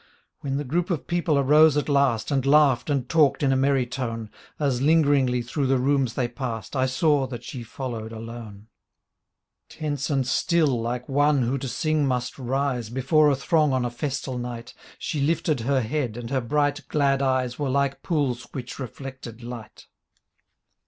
When the group of people arose at last And laughed and talked in a merry tone. As lingeringly through the rooms they passed I saw that she followed alone. Tense and still like one who to sing must rise Before a throng on a festal night She lifted her head, and her bright glad eyes Were like pools which reflected light.